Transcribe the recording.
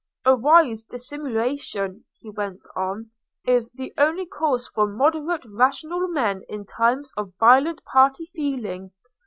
"A wise dissimulation," he went on, "is the only course for moderate rational men in times of violent party feeling.